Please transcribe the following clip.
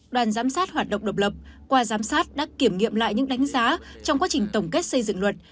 đoàn giám sát hoạt động độc lập qua giám sát đã kiểm nghiệm lại những đánh giá trong quá trình tổng kết xây dựng luật